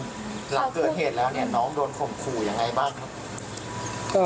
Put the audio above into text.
หลังเกิดเหตุแล้วเนี่ยน้องโดนข่มขู่ยังไงบ้างครับ